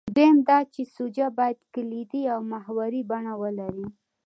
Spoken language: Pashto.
دویم دا چې سوژه باید کلیدي او محوري بڼه ولري.